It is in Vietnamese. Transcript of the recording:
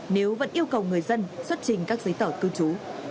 nếu vẫn yêu cầu người dân xuất trình các giấy tờ cư trú